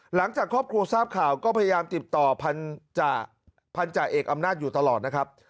หลังจากครอบครัวทราบข่าวก็พยายามติดต่อพันธาเอกอำนาจอยู่ตลอดนะครับ